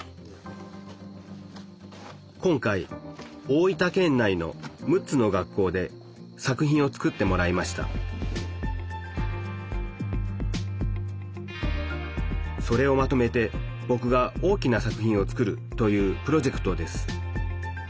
今回大分県内の６つの学校で作品を作ってもらいましたそれをまとめてぼくが大きな作品を作るというプロジェクトです